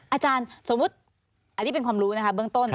อาจารย์สมมุติอันนี้เป็นความรู้นะคะเบื้องต้น